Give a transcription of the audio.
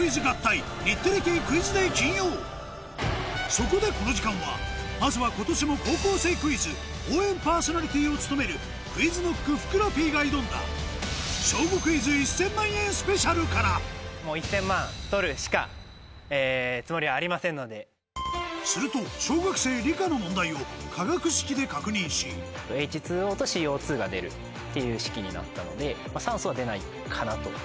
そこでこの時間はまずは今年も『高校生クイズ』応援パーソナリティーを務めるＱｕｉｚＫｎｏｃｋ・ふくらＰが挑んだすると小学生理科の問題を化学式で確認しＨＯとＣＯが出るっていう式になったので酸素は出ないかなと。